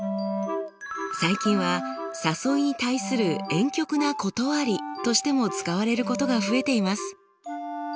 最近は誘いに対するえん曲な断りとしても使われることが増えています。